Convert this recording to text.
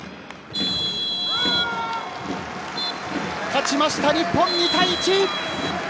勝ちました日本、２対１。